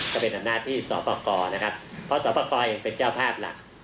ก็เป็นอำนาจที่สอบคนะครับ